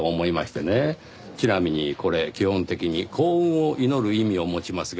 ちなみにこれ基本的に幸運を祈る意味を持ちますが。